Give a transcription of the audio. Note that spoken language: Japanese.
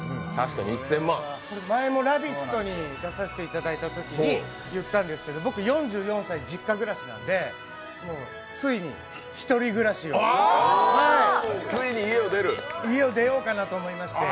前も「ラヴィット！」に出させていただいたときに言ったんですけど僕、４４歳実家暮らしなので、ついに１人暮らしを、家を出ようかなと思いまして。